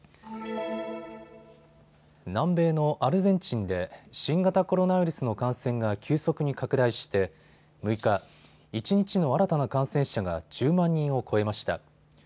南米のアルゼンチンで新型コロナウイルスの感染が急速に拡大して６日、一日の新たな感染者が１０万人を超えました。